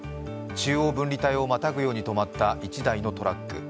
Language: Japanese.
中央分離帯をまたぐように止まった１台のトラック。